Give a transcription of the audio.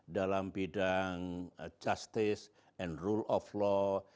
dalam bidang justice and rule of law